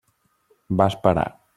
Va esperar.